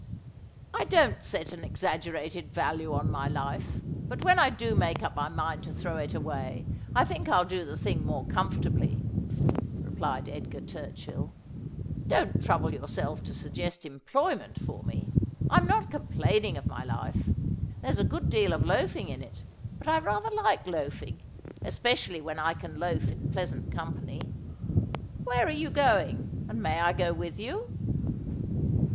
' I don't set an exaggerated value on my life, but when I do make up my mind to throw it away, I think I'll do the thing more comfortably,' replied Edgar Turchill. ' Don't trouble yourself to suggest employment for me. I'm not complaining of my life. There's a good deal of loafing in it, but I rather like loafing, especially when I can loaf in pleasant company. Where are you going, and may I go with you